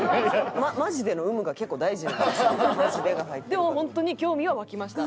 でも本当に興味は湧きました。